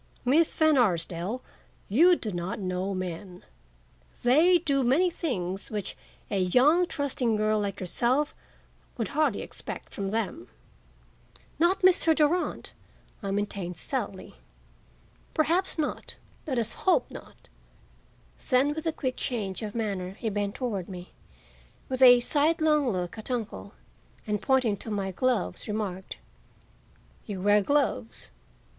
Miss Van Arsdale, you do not know men. They do many things which a young, trusting girl like yourself would hardly expect from them." "Not Mr. Durand," I maintained stoutly. "Perhaps not; let us hope not." Then, with a quick change of manner, he bent toward me, with a sidelong look at uncle, and, pointing to my gloves, remarked: "You wear gloves.